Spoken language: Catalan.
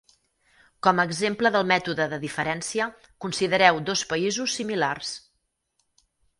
Com a exemple del mètode de diferència, considereu dos països similars.